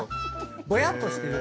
ぼやっとしてる？